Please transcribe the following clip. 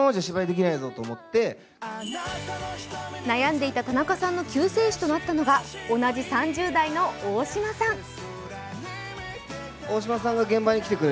悩んでいた田中さんの救世主となったのが同じ３０代の大島さん。